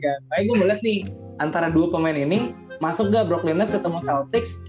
kayaknya gue mau liat nih antara dua pemain ini masuk gak brooklyn nuts ketemu celtics